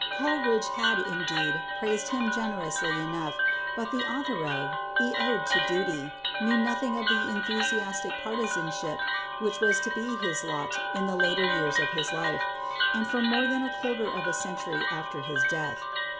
Coleridge had, indeed, praised him generously enough, but the author of "The Ode to Duty" knew nothing of the enthusiastic partisanship which was to be his lot in the later years of his life, and for more than a quarter of a century after his death.